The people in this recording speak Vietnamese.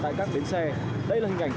tại các bến xe đây là hình ảnh